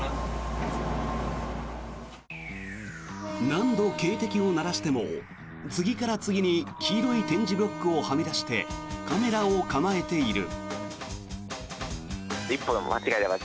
何度警笛を鳴らしても次から次に黄色い点字ブロックをはみ出してカメラを構えている。